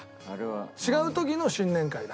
違う時の新年会だ。